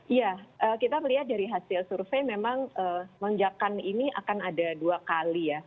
iya kita melihat dari hasil survei memang lonjakan ini akan ada dua kali ya